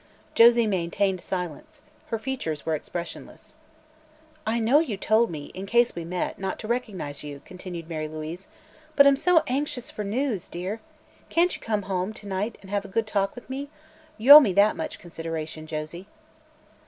Josie maintained silence. Her features were expressionless. "I know you told me, in case we met, not to recognize you," continued Mary Louise, "but I'm so anxious for news, dear! Can't you come home, to night, and have a good talk with me? You owe me that much consideration. Josie."